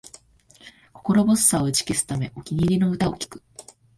心細さを打ち消すため、お気に入りの歌を聴く